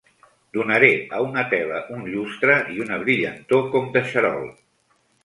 Donaré a una tela un llustre i una brillantor com de xarol.